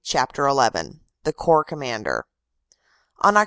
CHAPTER XI THE CORPS COMMANDER ON Oct.